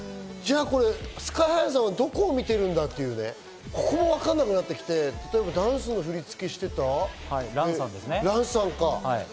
ＳＫＹ−ＨＩさんはどこ見てるんだっていう、ここがわかんなくなってきて、ダンスの振り付けしてた、ランさん。